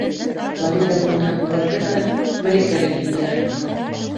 Флорида менән Әбүбәкер ҙә, Мәликә лә килделәр.